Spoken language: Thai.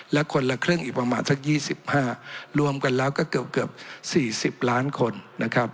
และคนละครึ่งอีกประมาณสัก๒๕รวมกันแล้วก็เกือบ๔๐ล้านคนนะครับ